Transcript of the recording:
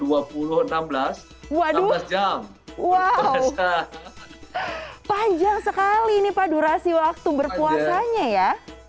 waduh panjang sekali nih pak durasi waktu berpuasanya ya